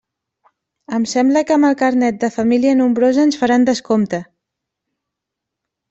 Em sembla que amb el carnet de família nombrosa ens faran descompte.